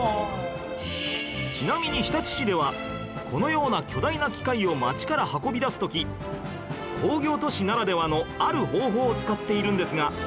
ちなみに日立市ではこのような巨大な機械を町から運び出す時工業都市ならではのある方法を使っているんですが